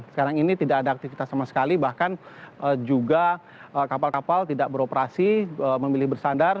sekarang ini tidak ada aktivitas sama sekali bahkan juga kapal kapal tidak beroperasi memilih bersandar